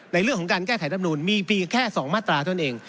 ในเรื่องของการแก้ไขรัฐมนูญมีแค่๒มาตราตัวเอง